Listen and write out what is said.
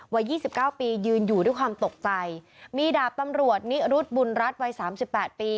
วัย๒๙ปียืนอยู่ด้วยความตกใจมีดาบตำรวจนิรุฑบุญรัฐวัย๓๘ปี